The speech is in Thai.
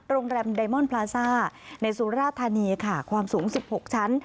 โรงแรมในสุราธานีค่ะความสูงสิบหกชั้น